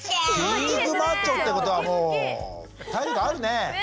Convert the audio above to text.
筋肉マッチョってことはもう体力あるね。